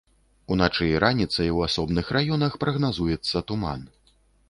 Уначы і раніцай у асобных раёнах прагназуецца туман.